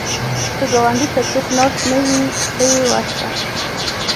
که ګاونډي ته څوک ناست نه وي، ته یې ورشه